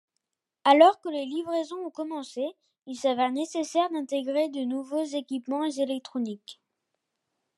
Alors que les livraisons ont commencé, il s'avère nécessaire d'intégrer de nouveaux équipements électroniques.